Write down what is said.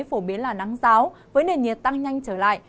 phổ biến là nắng giáo với nền nhiệt tăng nhanh trở lại